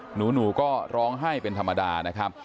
หนูก็ร้องไห้เป็นธรรมดานะครับ